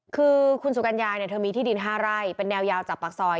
คือคุณสุกัญญาเนี่ยเธอมีที่ดิน๕ไร่เป็นแนวยาวจากปากซอย